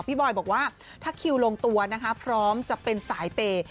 บอยบอกว่าถ้าคิวลงตัวนะคะพร้อมจะเป็นสายเปย์